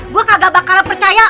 gue kagak bakalan percaya